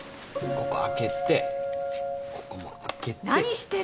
ここ開けてここも開けて。